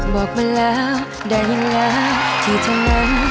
บอกมาแล้วได้ยินแล้วที่เธอนั้น